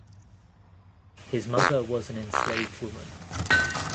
His mother was an enslaved woman.